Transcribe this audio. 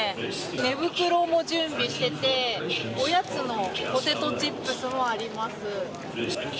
寝袋も準備していておやつのポテトチップスもあります。